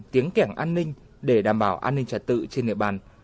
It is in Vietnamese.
tiếng kẻng an ninh để đảm bảo an ninh trật tự trên địa bàn